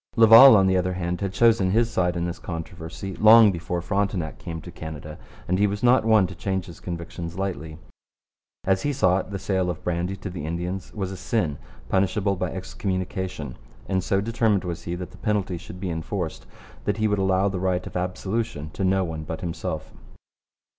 Laval, on the other hand, had chosen his side in this controversy long before Frontenac came to Canada, and he was not one to change his convictions lightly. As he saw it, the sale of brandy to the Indians was a sin, punishable by excommunication; and so determined was he that the penalty should be enforced that he would allow the right of absolution to no one but himself.